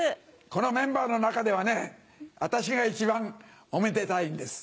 このメンバーの中ではね私が一番おめでたいんです。